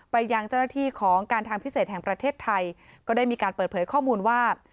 ไปยังเจ้าหน้าที่ของการทางพิเศษแห่งประเทศไทยก็ได้มีการเปิดเผยข้อมูลว่า